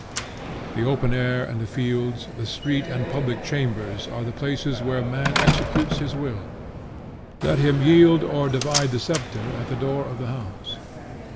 The open air and the fields, the street and public chambers are the places where Man executes his will; let him yield or divide the sceptre at the door of the house.